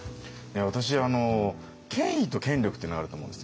私権威と権力っていうのがあると思うんですよ。